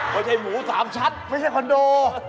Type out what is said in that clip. ไม่ใช่หมูสามชั้นไม่ใช่คอนโด